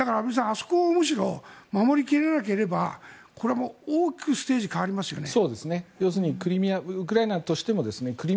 あそこをむしろ守り切れなければこれは大きくステージが変わりますよね。